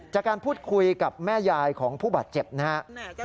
จากการพูดคุยกับแม่ยายของผู้บาดเจ็บนะครับ